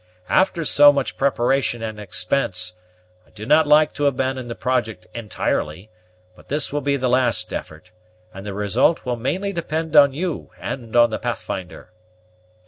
After so much preparation and expense, I do not like to abandon the project entirely; but this will be the last effort; and the result will mainly depend on you and on the Pathfinder."